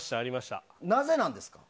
なぜなんです？